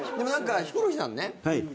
ヒコロヒーさんね